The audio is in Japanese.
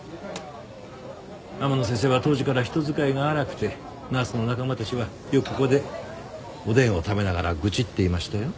天乃先生は当時から人使いが荒くてナースの仲間たちはよくここでおでんを食べながら愚痴っていましたよ。